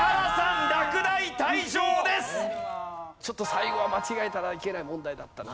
最後は間違えたらいけない問題だったな。